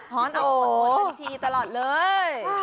ท้อนออกผสมทัลทีนี่ตลอดเลย